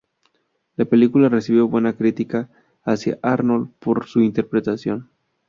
La película recibió buenas críticas hacia Arnold por su interpretación.